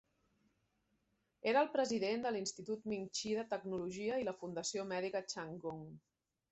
Era el president de l'Institut Ming-chi de Tecnologia i la Fundació Mèdica Chang Gung.